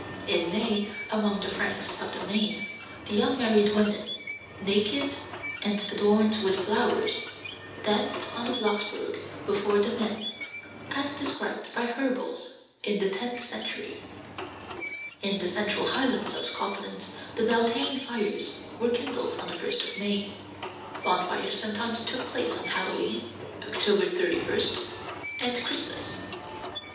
In May, among the Franks of the Main, the unmarried women, naked and adorned with flowers, danced on the Blocksberg before the men, as described by Herbels in the tenth century. In the central highlands of Scotland the Beltane fires were kindled on the 1st of May. Bonfires sometimes took place on Halloween (October 31st) and Christmas.